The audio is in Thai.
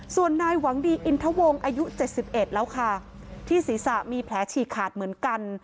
ส่วนนายหวังดีอินทวงอายุ๗๑แล้วค่ะที่ศีรษะมีแผลฉีกขาดเหมือนกัน